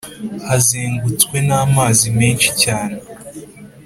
hazengutswe n’amazi menshi cyane